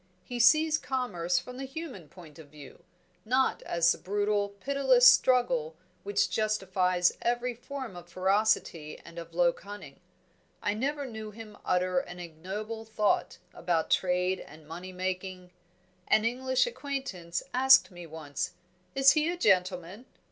He sees commerce from the human point of view, not as the brutal pitiless struggle which justifies every form of ferocity and of low cunning. I never knew him utter an ignoble thought about trade and money making. An English acquaintance asked me once, 'Is he a gentleman?'